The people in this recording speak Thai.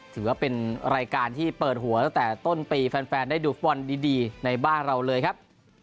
ถือว่าเป็นรายการที่เปิดหัวตั้งแต่ต้นปีแฟนได้ดูฟุตบอลดีในบ้านเราเลยครับ